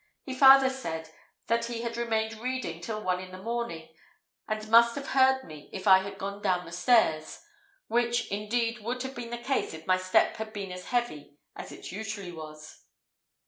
He farther said, that he had remained reading till one in the morning, and must have heard me if I had gone down the stairs which, indeed, would have been the case if my step had been as heavy as it usually was.